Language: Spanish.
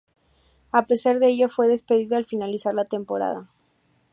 A pesar de ello, fue despedido al finalizar la temporada.